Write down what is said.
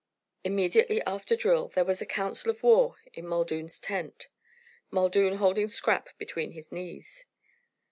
Immediately after drill there was a council of war in Muldoon's tent, Muldoon holding Scrap between his knees.